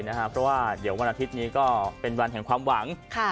เพราะว่าเดี๋ยววันอาทิตย์นี้ก็เป็นวันแห่งความหวัง